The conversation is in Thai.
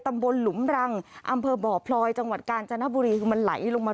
หลุมรังอำเภอบ่อพลอยจังหวัดกาญจนบุรีคือมันไหลลงมา